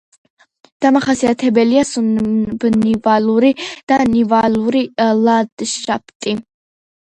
დამახასიათებელია სუბნივალური და ნივალური ლანდშაფტი.